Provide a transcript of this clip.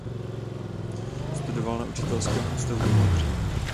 Studoval na učitelském ústavu v Modře.